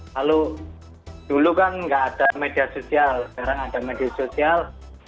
kalau dulu kan nggak ada media sosial sekarang ada media sosial